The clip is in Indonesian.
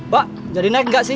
pak jadi naik nggak sih